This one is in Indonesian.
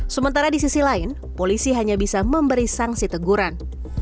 sementara di sisi lain polisi hanya bisa memberi sanksi teguran